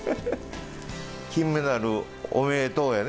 金メダル、おめでとうやね。